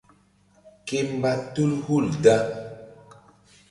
Ke mba tul hul da.